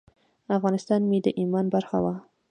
افغانستان مې د ایمان برخه وه.